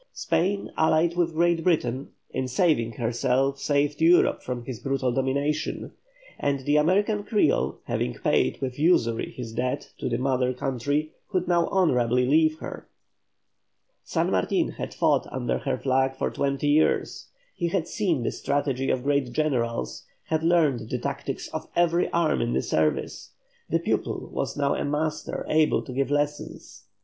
Spain allied with Great Britain, in saving herself, saved Europe from his brutal domination, and the American Creole having paid with usury his debt to the mother country could now honourably leave her. San Martin had fought under her flag for twenty years, he had seen the strategy of great generals, had learned the tactics of every arm in the service; the pupil was now a master able to give lessons.